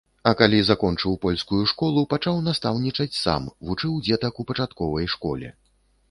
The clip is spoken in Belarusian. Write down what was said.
А калі закончыў польскую школу, пачаў настаўнічаць сам, вучыў дзетак у пачатковай школе.